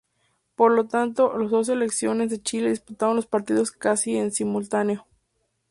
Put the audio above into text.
Por lo tanto, las dos selecciones de Chile disputaron los partidos casi en simultáneo.